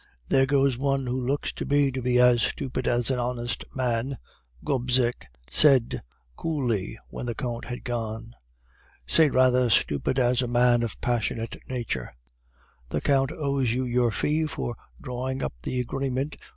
"'There goes one who looks to me to be as stupid as an honest man,' Gobseck said coolly when the Count had gone. "'Say rather stupid as a man of passionate nature.' "'The Count owes you your fee for drawing up the agreement!